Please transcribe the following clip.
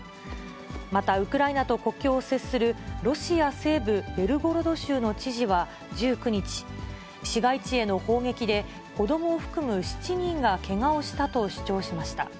またウクライナと国境を接するロシア西部ベルゴロド州の知事は１９日、市街地への砲撃で、子どもを含む７人がけがをしたと主張しました。